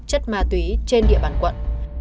chất ma túy trên địa bàn quận